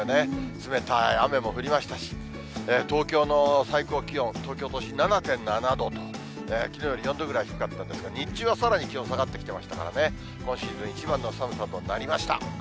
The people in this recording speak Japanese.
冷たい雨も降りましたし、東京の最高気温、東京都心７．７度と、きのうより４度ぐらい低かったんですが、日中はさらに気温下がってきてましたからね、今シーズン一番の寒さとなりました。